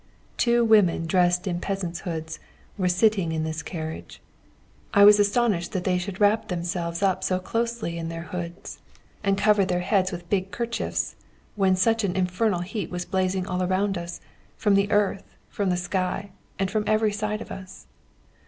Two women, dressed in peasants' hoods, were sitting in this carriage. I was astonished that they should wrap themselves up so closely in their hoods, and cover their heads with big kerchiefs, when such an infernal heat was blazing all around us, from the earth, from the sky, and from every side of us.